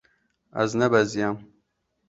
Ez nebeziyam.